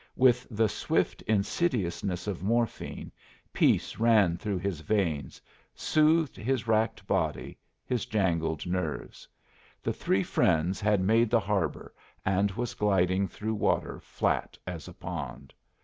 With the swift insidiousness of morphine, peace ran through his veins, soothed his racked body, his jangled nerves. The Three Friends had made the harbor, and was gliding through water flat as a pond.